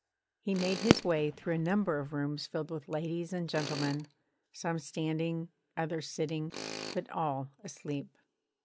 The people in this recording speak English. He made his way through a number of rooms filled with ladies and gentlemen, some standing, others sitting, but all asleep.